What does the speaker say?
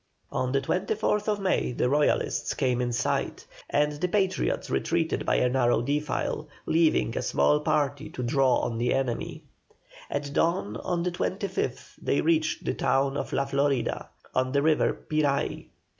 On the 24th May the Royalists came in sight, and the Patriots retreated by a narrow defile, leaving a small party to draw on the enemy. At dawn on the 25th they reached the town of LA FLORIDA, on the river Piray.